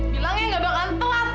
bilang ya gak bakalan telat